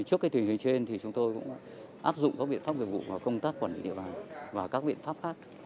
trước cái tình huyện trên thì chúng tôi cũng áp dụng các biện pháp về vụ và công tác quản lý địa bàn và các biện pháp khác